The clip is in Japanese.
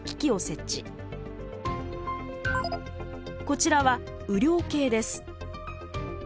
こちらは雨量計です。